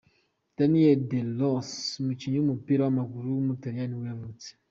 Daniel De Rossi, umukinnyi w’umupira w’amaguru w’umutaliyani nibwo yavutse.